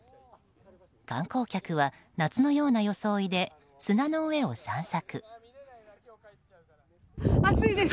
観光客は夏のような装いで砂の上を散策。